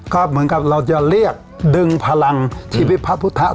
ก็เหมือนกับเราจะเรียกดึงพลังชีวิตพระพุทธ